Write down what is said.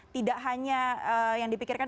tidak hanya yang dipikirkan